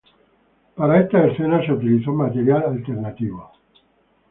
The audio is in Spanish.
Para estas escenas, se utilizó material alternativo.